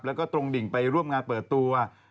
แล้วก็ตรงดิ่งไปร่วมงานเปิดตัว